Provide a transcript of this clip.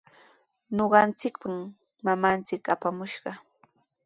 Ñuqanchikpaqmi mamanchik apamushqa.